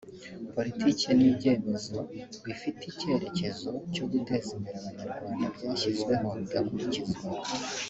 politiki n’ibyemezo bifite ikerekezo cyo guteza imbere abanyarwanda byashyizweho bigakurikizwa